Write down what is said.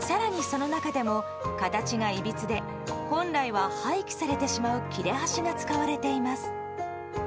その中でも形がいびつで本来は廃棄されてしまう切れ端が使われています。